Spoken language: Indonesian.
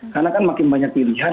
karena kan makin banyak pilihan